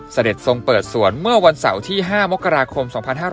เสด็จทรงเปิดสวนเมื่อวันเสาร์ที่๕มกราคม๒๕๕๙